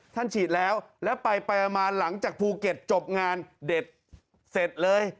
ฉีดแล้วแล้วไปมาหลังจากภูเก็ตจบงานเด็ดเสร็จเลย